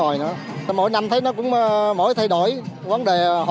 ở đây tôi cảm thấy rất thích thú